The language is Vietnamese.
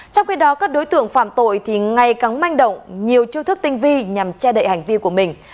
trong khi đó các đối tượng phạm tội ngày càng manh động nhiều chiêu thức tinh vi nhằm che đậy hành vi của mình